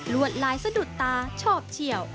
วดลายสะดุดตาชอบเฉียว